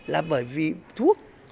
là bởi vì thuốc